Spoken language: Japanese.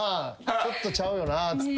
ちょっとちゃうよな？っつって。